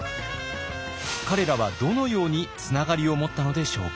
彼らはどのようにつながりを持ったのでしょうか。